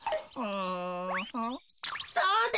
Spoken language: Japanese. そうだ！